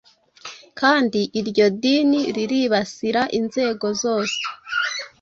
kandi iryo dini riribasira inzego zose,